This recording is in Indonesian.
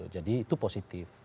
jadi itu positif